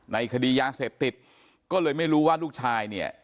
ในคดียาเสพติดก็เลยไม่รู้ว่าลูกชายเนี่ย